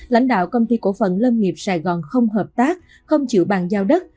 lãnh đạo công ty cổ phần lâm nghiệp sài gòn không hợp tác không chịu bàn giao đất